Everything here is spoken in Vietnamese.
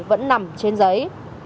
vẫn nằm trên giấy